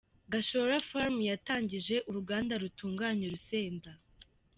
Gashora Farm yatangije uruganda rutunganya urusenda.